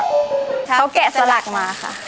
เขาแกะสลักมาค่ะ